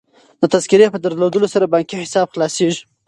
د تذکرې په درلودلو سره بانکي حساب خلاصیږي.